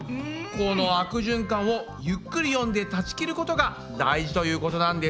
この悪循環をゆっくり読んで断ち切ることが大事ということなんです。